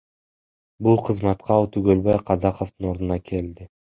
Бул кызматка ал Түгөлбай Казаковдун ордуна келди.